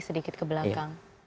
sedikit ke belakang